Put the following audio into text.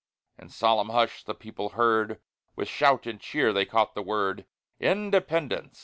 In solemn hush the people heard; With shout and cheer they caught the word: Independence!